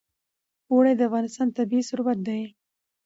اوړي د افغانستان طبعي ثروت دی.